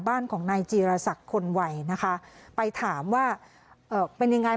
บ้านของนายจีรศักดิ์คนวัยนะคะไปถามว่าเอ่อเป็นยังไง